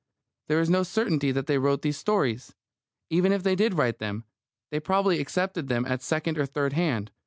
There is no certainty that they wrote these stories. Even if they did write them, they probably accepted them at second or third hand.